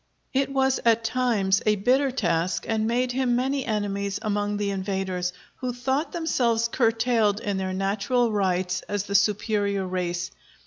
It was at times a bitter task and made him many enemies among the invaders, who thought themselves curtailed in their natural rights as the superior race.